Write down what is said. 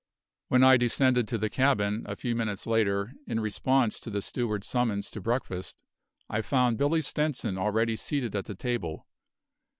When I descended to the cabin, a few minutes later, in response to the steward's summons to breakfast, I found Billy Stenson already seated at the table.